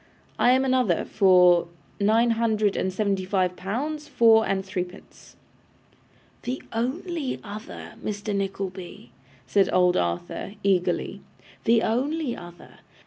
'I am another for nine hundred and seventy five pounds four and threepence.' 'The only other, Mr. Nickleby,' said old Arthur, eagerly. 'The only other.